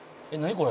これ」